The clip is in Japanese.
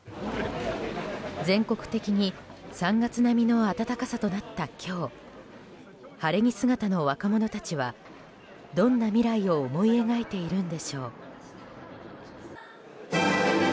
全国的に３月並みの暖かさとなった今日晴れ着姿の若者たちはどんな未来を思い描いているんでしょう。